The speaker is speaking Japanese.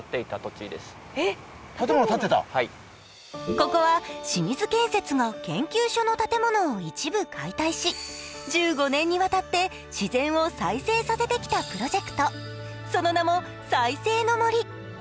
ここは清水建設の研究所の建物を一部解体し１５年にわたって自然を再生させてきたプロジェクトその名も、再生の杜。